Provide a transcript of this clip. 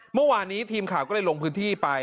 เมื่อวานนี้ทีมข่าวก็เลยลงพื้นที่ไป